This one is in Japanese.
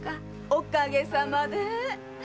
おかげさまで。